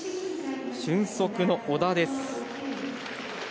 俊足の小田です。